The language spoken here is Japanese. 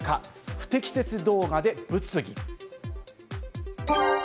不適切動画で物議。